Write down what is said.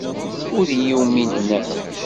Ur iyi-uminen ara.